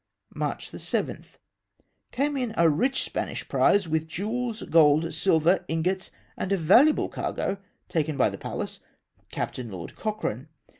'^ March 7. — Came in a rich Spanish prize, with jewels, gold, silver, ingots, and a valuable cargo, taken by the Pallas, Captain Lord Cochrane.